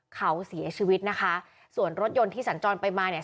เขาเสียชีวิตนะคะส่วนรถยนต์ที่สัญจรไปมาเนี่ย